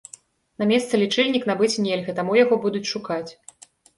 На месцы лічыльнік набыць нельга, таму яго будуць шукаць.